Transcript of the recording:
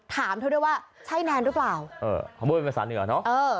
ถามเธอด้วยว่าใช่แนนหรือเปล่าเออเขาพูดเป็นภาษาเหนือเนอะเออ